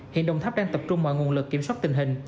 hiện đồng tháp đang tập trung mọi nguồn lực kiểm soát tình hình